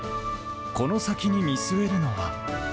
この先に見据えるのは。